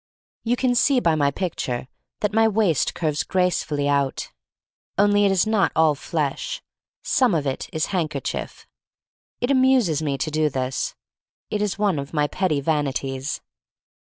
You can see by my picture that my waist curves gracefully out. Only it is not all flesh — some of it is hand kerchief. It amuses me to do this. It is one of my petty vanities.